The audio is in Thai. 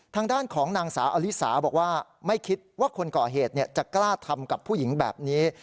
ทางด้านของนางสาวอลิสาบอกว่าไม่คิดว่าคนก่อเหตุจะกล้าทำกับผู้หญิงแบบนี้